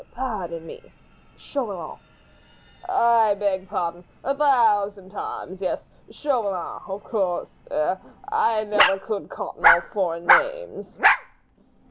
"Pardon me—Chauvelin." "I beg pardon—a thousand times. Yes—Chauvelin of course. ... Er ... I never could cotton to foreign names.